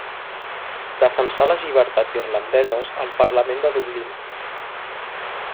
Defensà les llibertats irlandeses al parlament de Dublín.